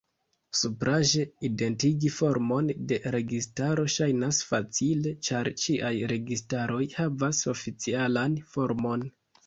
Supraĵe, identigi formon de registaro ŝajnas facile, ĉar ĉiaj registaroj havas oficialan formon.